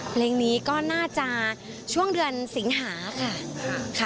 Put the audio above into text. เพลงนี้ก็น่าจะช่วงเดือนสิงหาค่ะ